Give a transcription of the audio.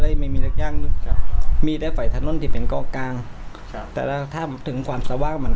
หลงลุกนั้นคือตึงเดียวเลย